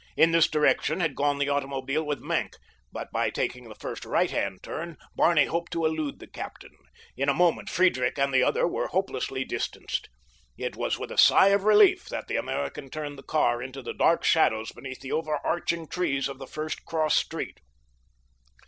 In this direction had gone the automobile with Maenck, but by taking the first righthand turn Barney hoped to elude the captain. In a moment Friedrich and the other were hopelessly distanced. It was with a sigh of relief that the American turned the car into the dark shadows beneath the overarching trees of the first cross street.